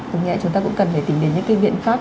đúng vậy chúng ta cũng cần phải tìm đến những cái viện pháp